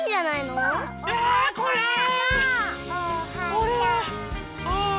これはあぁ。